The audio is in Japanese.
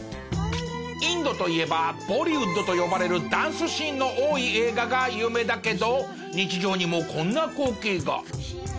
インドといえばボリウッドと呼ばれるダンスシーンの多い映画が有名だけど。